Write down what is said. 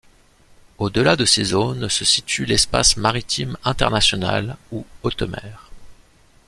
Au-delà de ces zones, se situe l'espace maritime international ou haute mer.